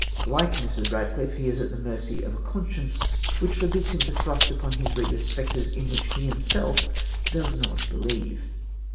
Like Mrs. Radcliffe he is at the mercy of a conscience which forbids him to thrust upon his readers spectres in which he himself does not believe.